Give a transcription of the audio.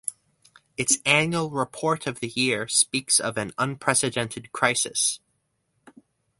Its annual report of the year speaks of an "unprecedented crisis".